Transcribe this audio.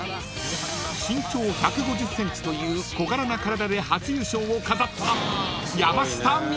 ［身長１５０ｃｍという小柄な体で初優勝を飾った］